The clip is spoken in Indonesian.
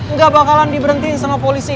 nggak bakalan diberhenti sama polisi